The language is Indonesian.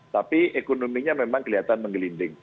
tapi ekonominya memang kelihatan menggelinding